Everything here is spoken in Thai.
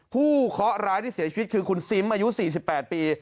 ผู้เคาะร้ายที่เสียชีวิตคือคุณซิมอายุสี่สิบแปดปี